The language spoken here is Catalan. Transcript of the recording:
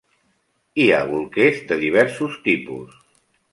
Hi ha bolquers de diversos tipus.